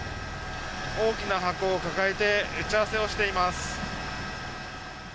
大きな箱を抱えて打ち合わせをしています。